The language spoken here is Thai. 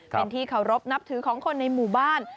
เป็นที่เคารพนับถือของคนในหมู่บ้าน